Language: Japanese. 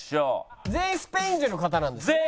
全員スペイン人の方なんですよね？